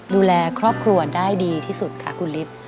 ดูแลครอบครัวได้ดีที่สุดค่ะคุณฤทธิ์